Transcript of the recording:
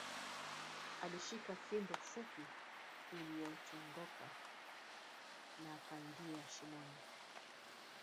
Alishika fimbo fupi iliyochongoka na akaingia shimoni